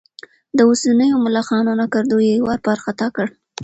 د اوسنيو ملخانو ناکردو یې واروپار ختا کړ.